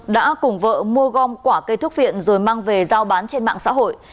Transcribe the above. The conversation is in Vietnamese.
đã cùng vợ mua gom quả cây thuốc viện rồi mang về giao bán trên mạng xã hội